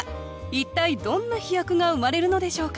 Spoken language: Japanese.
一体どんな「飛躍」が生まれるのでしょうか？